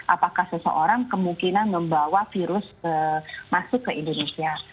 apakah seseorang kemungkinan membawa virus masuk ke indonesia